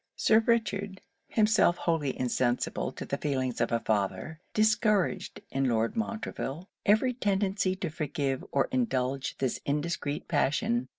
Sir Richard, himself wholly insensible to the feelings of a father, discouraged in Lord Montreville every tendency to forgive or indulge this indiscreet passion.